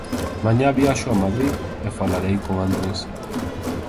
Mañá viaxo a Madrid e falarei con Andrés.